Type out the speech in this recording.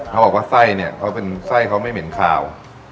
เราบอกว่าใส่เนี่ยใส่เค้าไม่เหม็นขาว